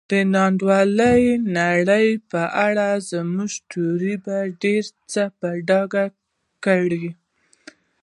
د نا انډولې نړۍ په اړه زموږ تیوري به ډېر څه په ډاګه کړي.